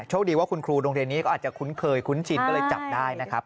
โชคดีว่าคุณครูโรงเรียนนี้ก็อาจจะคุ้นเคยคุ้นชินก็เลยจับได้นะครับ